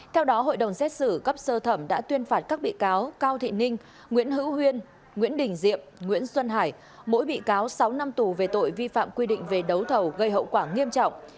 theo đó hội đồng xét xử cấp sơ thẩm đã tuyên phạt các bị cáo cao thị ninh nguyễn hữu huyên nguyễn đình diệm nguyễn xuân hải mỗi bị cáo sáu năm tù về tội vi phạm quy định về đấu thầu gây hậu quả nghiêm trọng